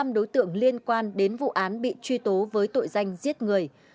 hai mươi năm đối tượng liên quan đến vụ án bị truy tố với tội danh giết người